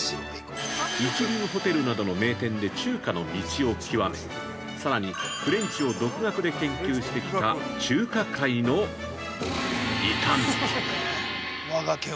一流ホテルなどの名店で、中華の道をきわめ、さらにフレンチを独学で研究してきた中華界の異端児。